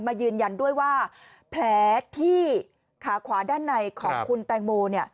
ยืนยันด้วยว่าแผลที่ขาขวาด้านในของคุณแตงโม